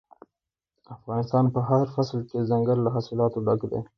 افغانستان په هر فصل کې له دځنګل حاصلاتو ډک دی.